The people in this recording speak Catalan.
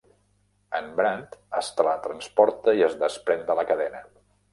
En Brand es teletransporta i es desprèn de la cadena.